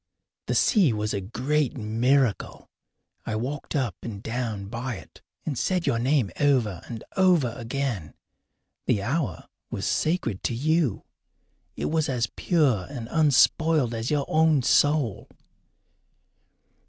The sea was a great miracle. I walked up and down by it and said your name over and over again. The hour was sacred to you. It was as pure and unspoiled as your own soul.